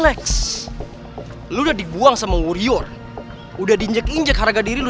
assalamualaikum warahmatullahi wabarakatuh